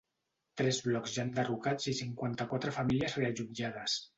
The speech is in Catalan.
Tres blocs ja enderrocats i cinquanta-quatre famílies reallotjades.